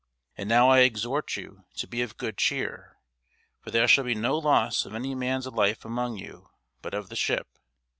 And now I exhort you to be of good cheer: for there shall be no loss of any man's life among you, but of the ship.